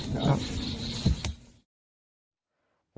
ครับ